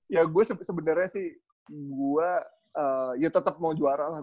ya gue sebenarnya sih gue ya tetap mau juara lah